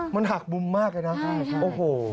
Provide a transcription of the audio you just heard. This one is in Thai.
มันหักมุมมากเลยนะโอ้โห